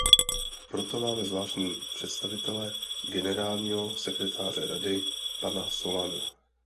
Proto máme zvláštní představitele generálního sekretáře Rady, pana Solanu.